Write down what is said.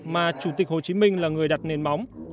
mà chủ tịch hồ chí minh là người đặt nền móng